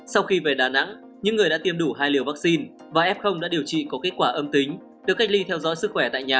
sau khi về đà nẵng những người đã tiêm đủ hai liều vaccine và f đã điều trị có kết quả âm tính được cách ly theo dõi sức khỏe tại nhà